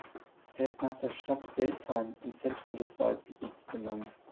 Er ist nach der Stadt Welzheim im Zentrum des Waldgebiets benannt.